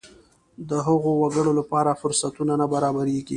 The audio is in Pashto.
د هغو وګړو لپاره فرصت نه برابرېږي.